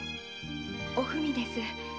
おふみです。